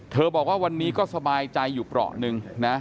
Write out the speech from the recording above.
บอกว่าวันนี้ก็สบายใจอยู่เปราะหนึ่งนะ